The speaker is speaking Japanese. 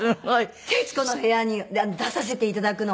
『徹子の部屋』に出させていただくの。